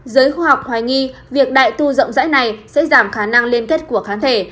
giới khoa học hoài nghi việc đại tu rộng rãi này sẽ giảm khả năng liên kết của kháng thể